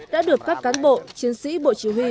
đã được các cán bộ chiến sĩ bộ chỉ huy